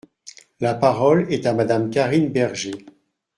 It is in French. La parole est à Madame Karine Berger.